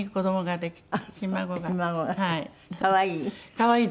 可愛い？